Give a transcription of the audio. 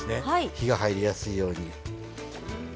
火が入りやすいように。